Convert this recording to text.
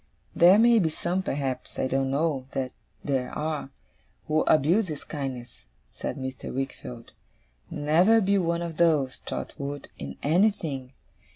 'There may be some, perhaps I don't know that there are who abuse his kindness,' said Mr. Wickfield. 'Never be one of those, Trotwood, in anything.